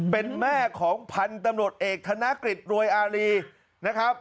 เป็นแม่ของพันธุ์ตำรวจเอกธนกฤษรวยอารีนะครับ